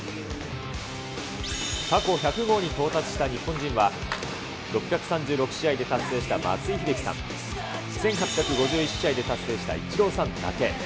過去１００号に到達した日本人は、６３６試合で達成した松井秀喜さん、１８５１試合で達成したイチローさんだけ。